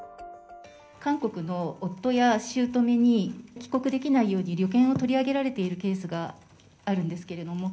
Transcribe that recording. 韓国の夫やしゅうとめに帰国できないように旅券を取り上げられているケースがあるんですけれども。